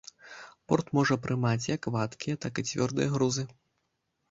Порт можа прымаць як вадкія, так і цвёрдыя грузы.